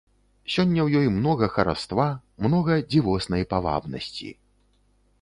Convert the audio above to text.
Сёння ў ёй многа хараства, многа дзівоснай павабнасці.